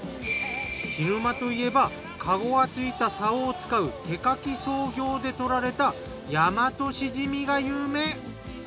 涸沼といえばカゴがついた竿を使う手掻き操業で採られたヤマトシジミが有名。